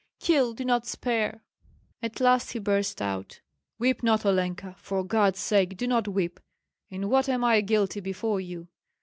kill, do not spare!" At last he burst out: "Weep not, Olenka; for God's sake, do not weep! In what am I guilty before you?